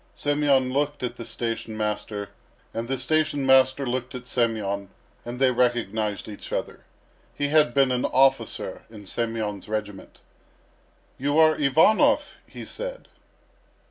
Semyon looked at the station master and the station master looked at Semyon, and they recognised each other. He had been an officer in Semyon's regiment. "You are Ivanov?" he said.